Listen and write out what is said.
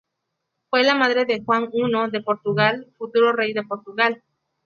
Fue la madre de Juan I de Portugal, futuro rey de Portugal.